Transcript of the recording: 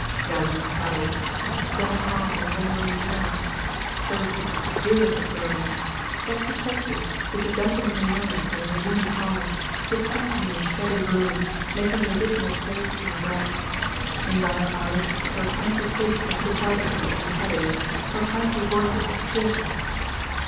Gallant Traddles, of the strong heart and the unruly hair; Sophy, dearest of girls; Betsy Trotwood, with your gentlemanly manners and your woman's heart, you have come to me in shabby rooms, making the dismal place seem bright. In dark hours your kindly faces have looked out at me from the shadows, your kindly voices have cheered me.